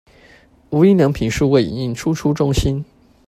無印良品數位影印輸出中心